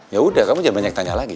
ya udah kamu jangan banyak tanya lagi